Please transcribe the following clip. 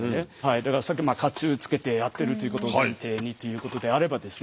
だから甲冑着けてやってるということを前提にということであればですね